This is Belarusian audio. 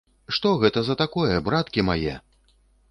Што гэта за такое, браткі мае?